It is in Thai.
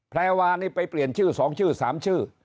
แพรวานี่ไปเปลี่ยนชื่อ๒ชื่อ๓ชื่อ